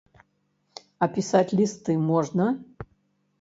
А пісаць лісты можна?